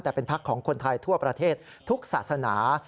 แต่เป็นพักของคนไทยทั่วประเทศทุกศาสนา